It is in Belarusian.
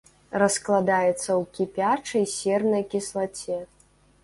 Раскладаецца ў кіпячай сернай кіслаце.